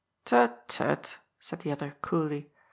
"Tut, tut," said the other coolly.